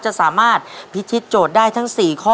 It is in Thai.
จะสามารถพิธิโจทย์ได้ทั้ง๔ข้อ